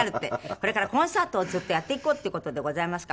これからコンサートをずっとやっていこうっていう事でございますから。